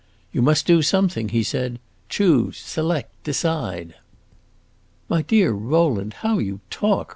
"You must do something," he said. "Choose, select, decide!" "My dear Rowland, how you talk!"